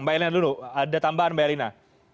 mbak elina dulu ada tambahan mbak elina